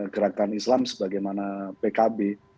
gerakan islam sebagaimana pkb